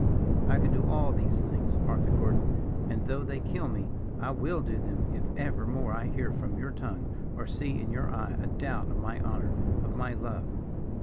I could do all these things, Arthur Gordon, and, though they kill me, I will do them, if ever more I hear from your tongue or see in your eye a doubt of my honour of my love.